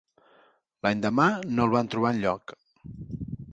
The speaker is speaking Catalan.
L'endemà no el van trobar enlloc.